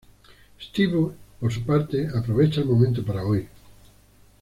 Stewie por su parte aprovecha el momento para huir.